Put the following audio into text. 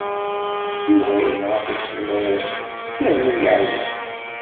Yuba yenɣa-t usemmiḍ yernu yeɛya.